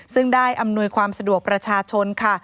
ซึ่งได้อำนวยความสะดวกประชาชนค่ะ